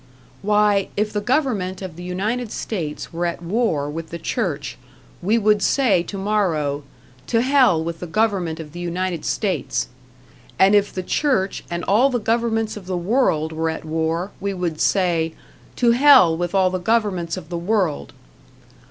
Why, if the government of the United States were at war with the church, we would say tomorrow, To hell with the government of the United States; and if the church and all the governments of the world were at war, we would say, To hell with all the governments of the world....